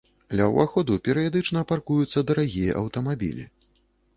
Ля ўваходу перыядычна паркуюцца дарагія аўтамабілі.